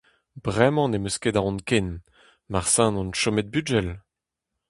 Bremañ ne'm eus ket aon ken, marteze on chomet bugel !